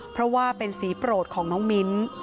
เพราะว่าเป็นสีโปรดของน้องมิ้น